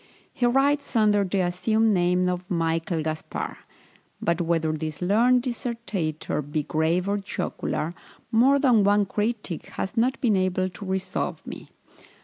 He writes under the assumed name of Michael Gaspar; but whether this learned dissertator be grave or jocular, more than one critic has not been able to resolve me.